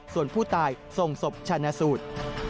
ส่วนผู้ตายส่งศพชนะสูตร